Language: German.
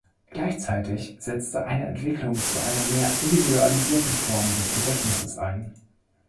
Gleichzeitig setzte eine Entwicklung zu einer mehr individualisierten Form des Gedächtnisses ein.